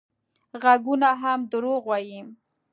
غږونه هم دروغ وايي